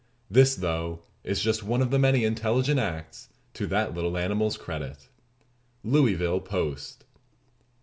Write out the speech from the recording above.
This, though, is just one of the many intelligent acts to that little animal's credit." _Louisville Post.